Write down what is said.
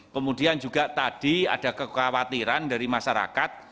kemudian juga tadi ada kekhawatiran dari masyarakat